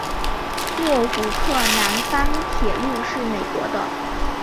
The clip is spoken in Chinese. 诺福克南方铁路是美国的。